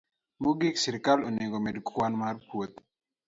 Mogik, sirkal onego omed kwan mar puothe